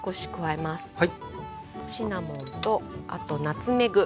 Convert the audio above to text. シナモンとあとナツメグ。